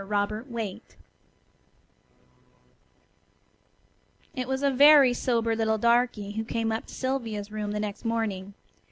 ROBERT WAITE It was a very sober little darky who came up to Sylvia's room the next morning.